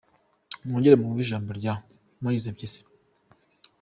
Mwongere mwumve ijambo rya Mzee Mpyisi.